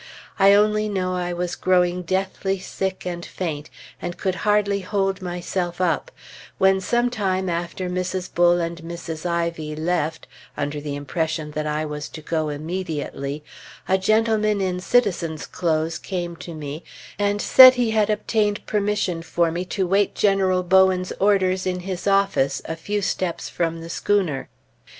I only know I was growing deathly sick and faint, and could hardly hold myself up, when some time after Mrs. Bull and Mrs. Ivy left (under the impression that I was to go immediately), a gentleman in citizen's clothes came to me and said he had obtained permission for me to wait General Bowens's orders in his office, a few steps from the schooner.